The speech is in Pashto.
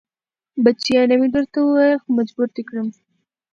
بچيه نه مې درته ويل خو مجبور دې کم.